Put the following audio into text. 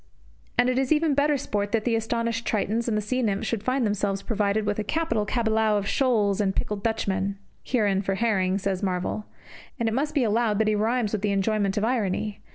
And it is even better sport that the astonished tritons and sea nymphs should find themselves provided with a capital cabillau of shoals of pickled Dutchmen (heeren for herring, says Marvell); and it must be allowed that he rhymes with the enjoyment of irony.